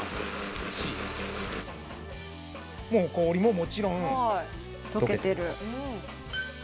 もう氷ももちろん溶けてます